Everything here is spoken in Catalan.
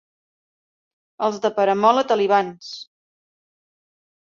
Els de Peramola, talibans.